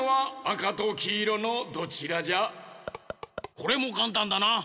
これもかんたんだな！